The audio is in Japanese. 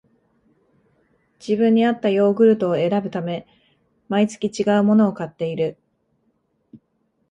自分にあったヨーグルトを選ぶため、毎月ちがうものを買っている